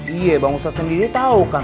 iya bang ustadz sendiri tau kan